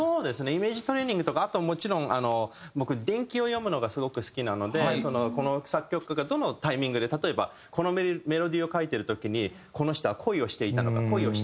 イメージトレーニングとかあともちろん僕伝記を読むのがすごく好きなのでこの作曲家がどのタイミングで例えばこのメロディーを書いてる時にこの人は恋をしていたのか恋をしていなかったのか。